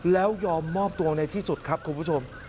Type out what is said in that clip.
แล้วยอมมอบตัวในที่สุดครับคุณผู้ชม